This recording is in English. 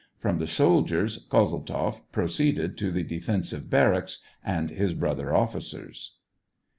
From the soldiers, Kozeltzoff proceeded to the defensive barracks and his brother officers.